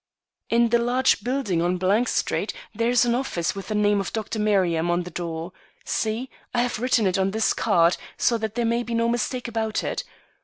"In the large building on Street there is an office with the name of Dr. Merriam on the door. See! I have written it on this card, so that there may be no mistake about it.